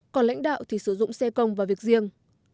còn lãnh đạo thì sử dụng xe công vào việc riêng